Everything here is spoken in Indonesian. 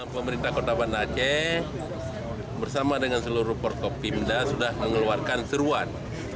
pemerintah kota banda aceh bersama dengan seluruh porkopimda sudah mengeluarkan seruan